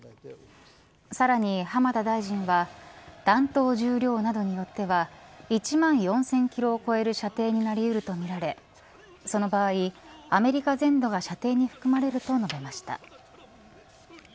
さらに、浜田大臣は弾頭重量などによっては１万４０００キロを超える射程になり得るとみられその場合アメリカ全土が射程に含まれると述べました。